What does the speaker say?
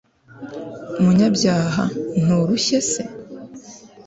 munyabyaha nturushye se